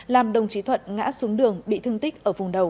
làm đồng chí thuận ngã xuống đường bị thương tích ở vùng đầu